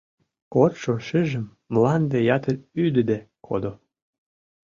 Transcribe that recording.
Кодшо шыжым мланде ятыр ӱдыде кодо.